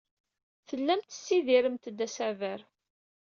Tellamt tessidiremt-d asaber.